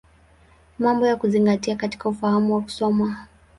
Mambo ya Kuzingatia katika Ufahamu wa Kusoma.